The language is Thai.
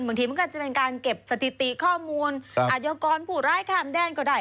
บางทีมันก็จะเป็นการเก็บสถิติข้อมูลอาจยากรผู้ร้ายข้ามแดนก็ได้